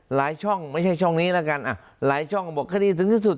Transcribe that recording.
ช่องไม่ใช่ช่องนี้แล้วกันอ่ะหลายช่องก็บอกคดีถึงที่สุด